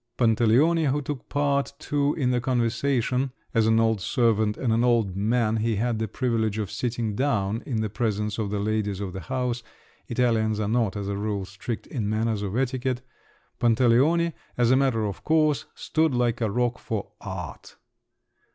Pantaleone, who took part too in the conversation—(as an old servant and an old man he had the privilege of sitting down in the presence of the ladies of the house; Italians are not, as a rule, strict in matters of etiquette)—Pantaleone, as a matter of course, stood like a rock for art.